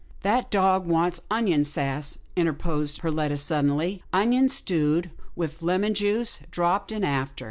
" That dog wants onion sass," interposed Per letta, suddenly, " onions stewed, with lemon juice dropped in after.